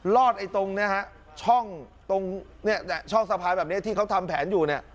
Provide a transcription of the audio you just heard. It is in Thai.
รอดช่องสะพานแบบนี้ที่เขาทำแผนอยู่